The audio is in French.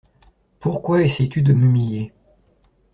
Pourquoi essaies-tu de m'humilier ?